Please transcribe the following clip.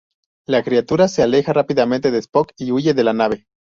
La criatura se aleja rápidamente de Spock y huye de la nave.